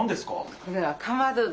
これはかまど！？